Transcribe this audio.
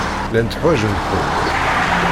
Llant ḥwajent-kent.